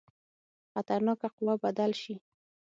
خطرناکه قوه بدل شي.